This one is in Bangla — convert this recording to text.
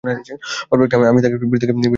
পারফেক্ট, আমি তাকে ভিড় থেকে দূরে সেখানে নিয়ে যাব।